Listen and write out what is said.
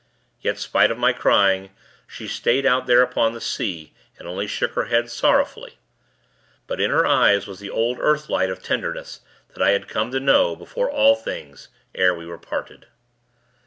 Yet, spite of my crying, she stayed out there upon the sea, and only shook her head, sorrowfully; but, in her eyes was the old earth light of tenderness, that I had come to know, before all things, ere we were parted.